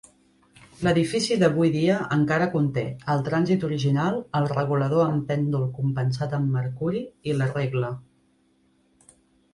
L'edifici d'avui dia encara conté el trànsit original, el regulador amb pèndol compensat amb mercuri i la regla.